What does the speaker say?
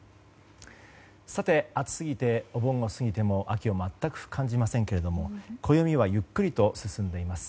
暑すぎてお盆を過ぎても秋を全く感じませんけれども暦はゆっくりと進んでいます。